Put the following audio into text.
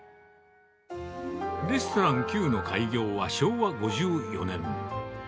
レストランＱの開業は昭和５４年。